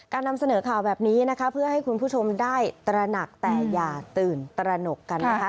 นำเสนอข่าวแบบนี้นะคะเพื่อให้คุณผู้ชมได้ตระหนักแต่อย่าตื่นตระหนกกันนะคะ